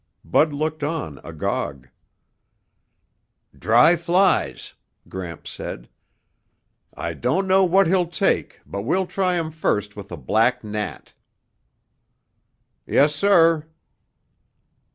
Bud looked on agog. "Dry flies," Gramps said. "I don't know what he'll take, but we'll try him first with a black gnat." "Yes, sir."